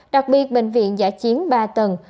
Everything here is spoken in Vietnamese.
đặc biệt bệnh viện giả chiến ba tầng